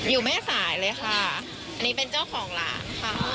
อยู่แม่สายเลยค่ะอันนี้เป็นเจ้าของร้านค่ะ